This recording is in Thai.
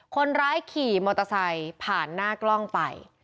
คนร้ายขี่มอเตอร์ไซค์ผ่านหน้ากล้องไป